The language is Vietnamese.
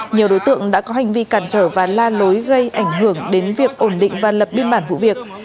nhiều đối tượng đã có hành vi cản trở và la lối gây ảnh hưởng đến việc ổn định và lập biên bản vụ việc